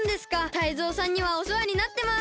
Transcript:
タイゾウさんにはおせわになってます。